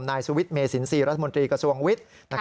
นายสุวิทย์เมสินทรีย์รัฐมนตรีกระทรวงวิทย์